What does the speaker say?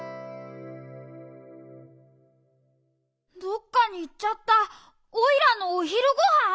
どっかにいっちゃったオイラのおひるごはん！？